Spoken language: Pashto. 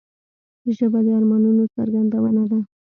ژبه د ارمانونو څرګندونه ده